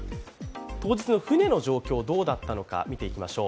当日の舟の状況どうだったのか見ていきましょう。